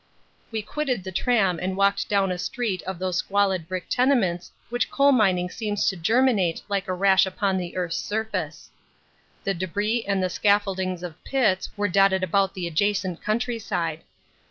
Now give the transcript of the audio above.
We quitted the tram and walked down a street of those squalid brick tenements which coal mining seems to germinate like a rash upon the earth's surface. The debris and the scaffoldings of pits were dotted about the adjacent countryside.